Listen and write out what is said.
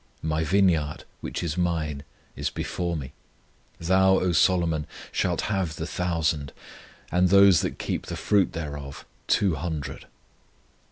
My vineyard, which is mine, is before me: Thou, O Solomon, shalt have the thousand, And those that keep the fruit thereof two hundred.